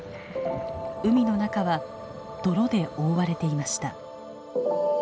海の中は泥で覆われていました。